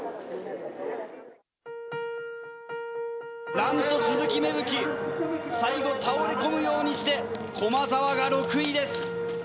なんと鈴木芽吹、最後倒れ込むようにして駒澤が６位です。